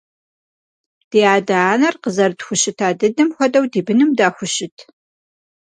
Ди адэ-анэр къызэрытхущыта дыдэм хуэдэу ди быным дахущыт?